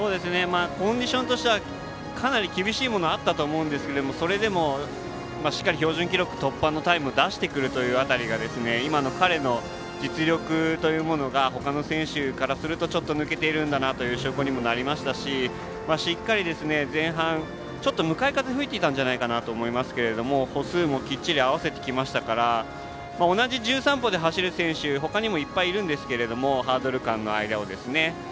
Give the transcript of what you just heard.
コンディションとしてはかなり厳しいものあったと思うんですがそれでも、しっかり標準記録突破のタイム出してくる辺りが今の彼の実力というものがほかの選手からするとちょっと、抜けているんだなという証拠にもなりましたししっかり、前半、向かい風吹いていたんじゃないかなと思いますけれども、歩数もきっちり合わせてきましたから同じ１３歩で走る選手ほかにもいっぱいいるんですがハードル間をですね。